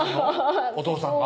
お父さんが？